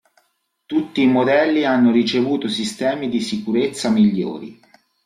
Tutti i modelli hanno ricevuto sistemi di sicurezza migliori.